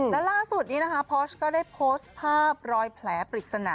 และล่าสุดนี้นะคะพอชก็ได้โพสต์ภาพรอยแผลปริศนา